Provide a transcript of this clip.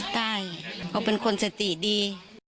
ตายเขาเป็นคนสติดี